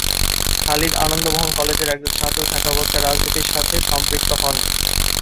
খালিদ আনন্দ মোহন কলেজের ছাত্র থাকাবস্থায় রাজনীতির সাথে সম্পৃক্ত হন।